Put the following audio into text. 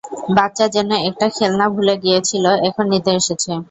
বাচ্চা যেন একটা খেলনা, ভুলে গিয়েছিলো, এখন নিতে এসেছে।